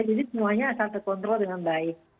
jadi semuanya asal terkontrol dengan baik